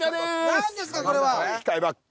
何ですかこれは。